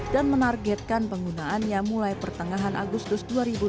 dan menargetkan penggunaannya mulai pertengahan agustus dua ribu dua puluh dua